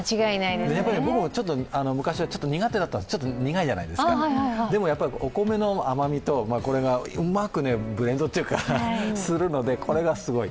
僕も昔はちょっと苦手だったんです、苦いじゃないですか、でもお米の甘みとうまくブレンドするのでこれがすごい。